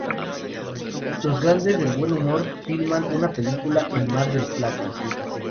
Los Grandes del Buen Humor filman una película en Mar del Plata.